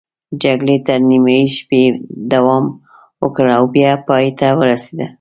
جګړې تر نیمايي شپې دوام وکړ او بیا پای ته ورسېده.